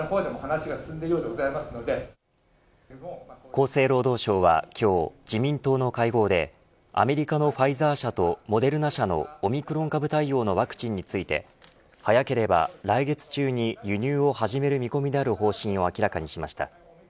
厚生労働省は今日自民党の会合でアメリカのファイザー社とモデルナ社のオミクロン株対応のワクチンについて早ければ来月中に輸入を始める見込みである方針を明らかにしました。